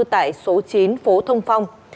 tại số chín phố thông phong